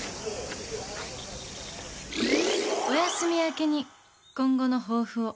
お休み明けに今後の抱負を。